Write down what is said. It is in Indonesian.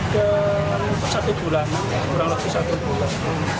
ke satu bulanan kurang lebih satu bulan